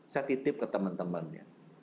saya titip ke teman temannya